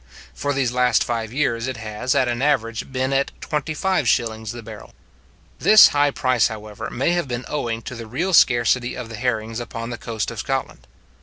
For these last five years, it has, at an average, been at twenty five shillings the barrel. This high price, however, may have been owing to the real scarcity of the herrings upon the coast of Scotland.